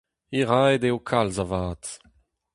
Hiraet eo kalz avat.